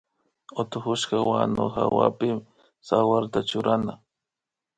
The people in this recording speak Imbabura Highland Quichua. Utukushpa wanu hawapi tsawarta churana